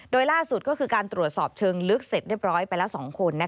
โดยล่าสุดก็คือการตรวจสอบเชิงลึกเสร็จเรียบร้อยไปแล้ว๒คน